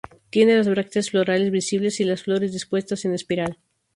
Tiene las brácteas florales visibles y las flores dispuestas en espiral.